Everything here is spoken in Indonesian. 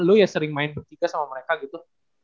lu ya sering main bertiga sama mereka gitu